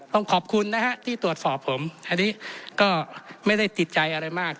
ต้องขอบคุณนะฮะที่ตรวจสอบผมอันนี้ก็ไม่ได้ติดใจอะไรมาก